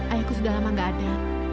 ayahku sudah lama gak ada